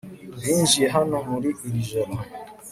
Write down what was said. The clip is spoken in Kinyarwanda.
binjiye hano muri iri joro